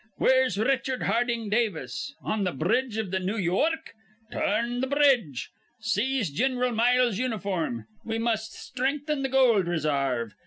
Where's Richard Harding Davis? On th' bridge iv the New York? Tur rn th' bridge. Seize Gin'ral Miles' uniform. We must strengthen th' gold resarve.